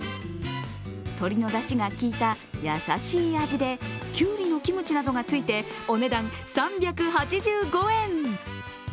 鶏のだしがきいた優しい味でキュウリのキムチなどがついて、お値段３８５円。